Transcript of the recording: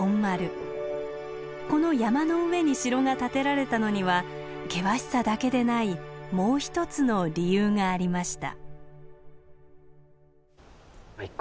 この山の上に城が建てられたのには険しさだけでないもう一つの理由がありました。